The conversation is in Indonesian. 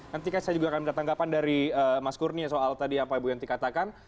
nanti kan saya juga akan minta tanggapan dari mas kurnia soal tadi apa ibu yanti katakan